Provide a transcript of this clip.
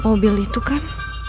mobil itu kan